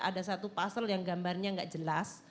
ada satu puzzle yang gambarnya gak jelas